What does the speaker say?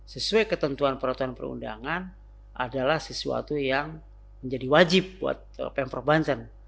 sesuai ketentuan peraturan perundangan adalah sesuatu yang menjadi wajib buat pemprov banten